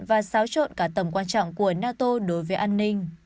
và xáo trộn cả tầm quan trọng của nato đối với an ninh